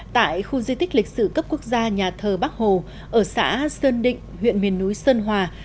tại khu di tích lịch sử cấp quốc gia nhà thờ bắc hồ ở xã sơn định huyện miền núi sơn hòa